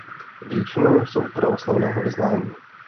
Většinou jsou pravoslavného vyznání.